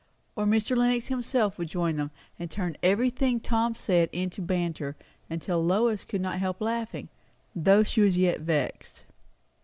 Or Mr. Lenox himself would join them, and turn everything Tom said into banter; till Lois could not help laughing, though yet she was vexed.